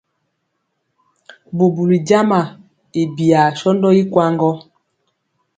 Bubuli jama i biyaa sɔndɔ i kwaŋ gɔ.